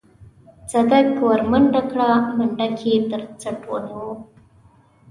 صدک ورمنډه کړه منډک يې تر څټ ونيوه.